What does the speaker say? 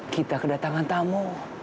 kita kedatangan tamu